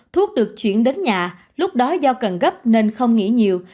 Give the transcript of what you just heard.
thuốc được chuyển đến nhà lúc đó do cần gấp nên không nghỉ nhiều